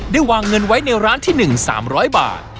วางเงินไว้ในร้านที่๑๓๐๐บาท